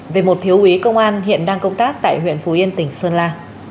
về một thiếu úy công an hiện đang công tác tại huyện phú yên tỉnh sơn la